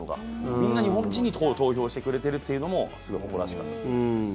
みんな日本人に投票してくれてるっていうのもすごく誇らしかったです。